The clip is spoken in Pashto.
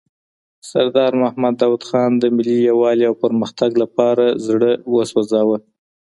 سردار محمد داود خان د ملي یووالي او پرمختګ لپاره زړه وسوزاوه.